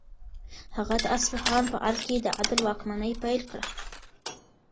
هغه د اصفهان په ارګ کې د عدل واکمني پیل کړه.